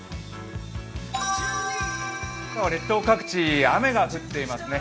今朝は列島各地、雨が降っていますね。